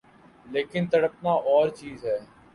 لیکن تڑپنا اورچیز ہے۔